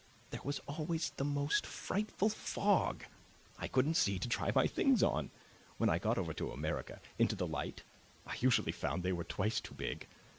There was always the most frightful fog; I couldn't see to try my things on. When I got over to America into the light I usually found they were twice too big.